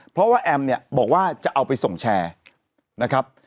เพราะว่าแอมเนี่ยบอกว่าจะเอาไปส่งแชร์นะครับ